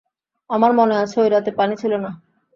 আমার মনে আছে, ঐ রাতে পানি ছিল না।